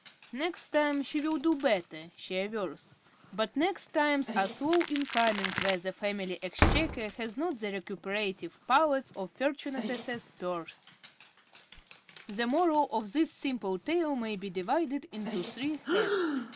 Next time she will do better, she avers; but next times are slow in coming where the family exchequer has not the recuperative powers of Fortunatus's purse. The Moral of this simple tale may be divided into three heads.